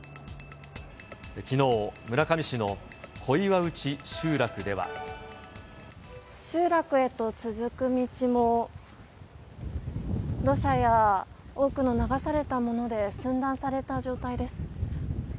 きのう、村上市の小岩内集落では。集落へと続く道も、土砂や多くの流されたもので寸断された状態です。